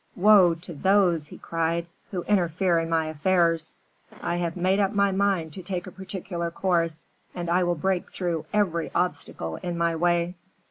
"Woe to those," he cried, "who interfere in my affairs. I have made up my mind to take a particular course, and I will break through every obstacle in my way."